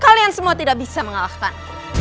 kalian semua tidak bisa mengalahkan